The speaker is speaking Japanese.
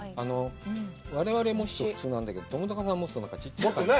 我々持つと普通なんだけど、知高さんが持つとちっちゃく。